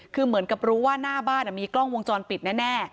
คือเหมือนกับรู้ว่าหน้าบ้านมีกล้องวงจรปิดแน่